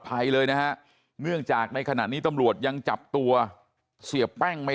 ภัยเลยนะฮะเนื่องจากในขณะนี้ตำรวจยังจับตัวเสียแป้งไม่